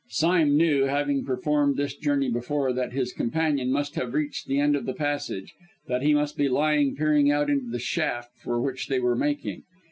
Sime knew, having performed this journey before, that his companion must have reached the end of the passage, that he must be lying peering out into the shaft, for which they were making.